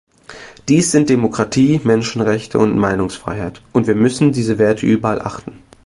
Dies sind Demokratie, Menschenrechte und Meinungsfreiheit, und wir müssen diese Werte überall achten.